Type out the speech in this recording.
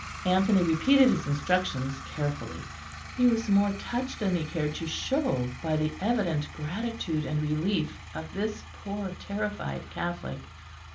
Anthony repeated his instructions carefully. He was more touched than he cared to show by the evident gratitude and relief of this poor terrified Catholic.